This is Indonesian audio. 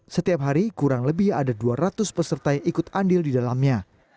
setiap hari kurang lebih ada dua ratus peserta yang ikut andil di dalamnya